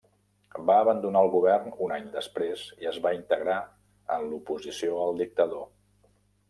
Va abandonar el govern un any després i es va integrar en l'oposició al dictador.